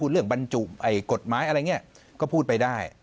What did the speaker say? เรื่องบรรจุกฎหมายอะไรอย่างนี้ก็พูดไปได้